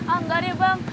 ah enggak deh bang